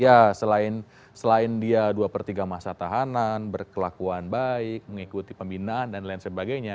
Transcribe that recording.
ya selain dia dua per tiga masa tahanan berkelakuan baik mengikuti pembinaan dan lain sebagainya